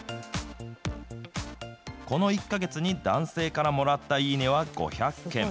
この１か月に男性からもらったいいねは５００件。